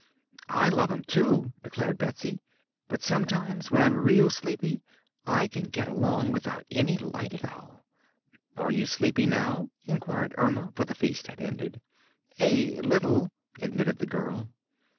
"I love 'em, too!" declared Betsy. "But sometimes, when I'm real sleepy, I can get along without any light at all." "Are you sleepy now?" inquired Erma, for the feast had ended. "A little," admitted the girl.